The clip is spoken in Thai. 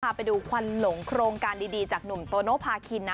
พาไปดูควันหลงโครงการดีจากหนุ่มโตโนภาคินนะ